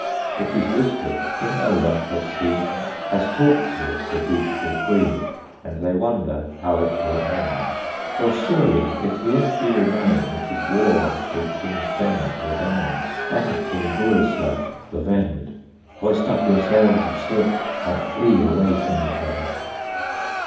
It is whispered King Olaf has seen, Has talked with the beautiful Queen; And they wonder how it will end; For surely, if here she remain, It is war with King Svend the Dane, And King Burislaf the Vend! Hoist up your sails of silk, And flee away from each other.